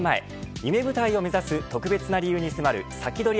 夢舞台を目指す特別な理由に迫るサキドリ！